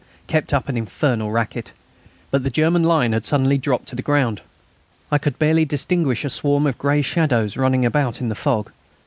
kept up an infernal racket. But the German line had suddenly dropped to the ground. I could barely distinguish a swarm of grey shadows running about in the fog.